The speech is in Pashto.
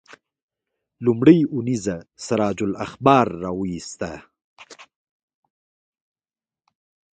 لومړۍ اونیزه سراج الاخبار راوویسته.